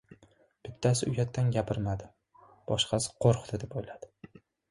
• Bittasi uyatdan gapirmadi, boshqasi qo‘rqdi deb o‘yladi.